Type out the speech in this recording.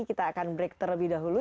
kita akan break terlebih dahulu